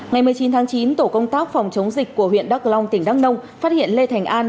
ngày một mươi chín tháng chín tổ công tác phòng chống dịch của huyện đắk long tỉnh đắk nông phát hiện lê thành an